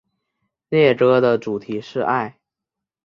恋歌的主题是爱。